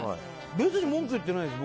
別に文句言っていないです。